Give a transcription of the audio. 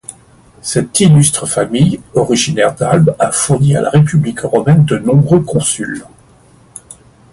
Cette illustre famille, originaire d'Albe, a fourni à la République romaine de nombreux consuls.